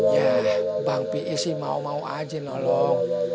ya bang pi sih mau mau aja nolong